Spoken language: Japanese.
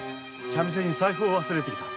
茶店に財布を忘れてきた。